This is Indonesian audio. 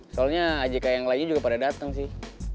soalnya ajk yang lainnya juga pada datang sih